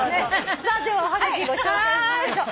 さあではおはがきご紹介しましょう。